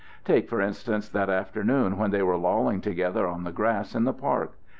Take, for instance, that afternoon when they were lolling together on the grass in the park.